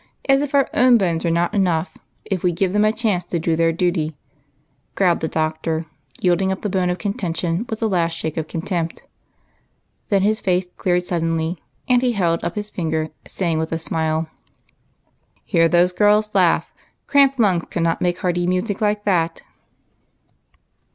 As if our own bones were not enough, if we'd give them a chance to do their duty," growled the Doctor, yielding up the bone of con tention with a last shake of contempt. Then his face cleared suddenly, and he held up his finger, saying, with a smile, " Hear those girls laugh ; cramped lungs could not make hearty music like that."